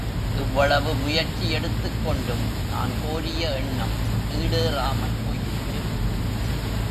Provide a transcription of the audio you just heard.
இவ்வளவு முயற்சியெடுத்துக் கொண்டும் நான் கோரிய எண்ணம் ஈடேறாமல் போயிற்று!